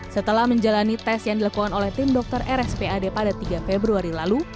setelah menjalani tes yang dilakukan oleh tim dokter rspad pada tiga februari lalu